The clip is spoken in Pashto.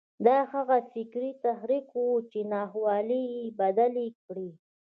دا هغه فکري تحرک و چې ناخوالې یې بدلې کړې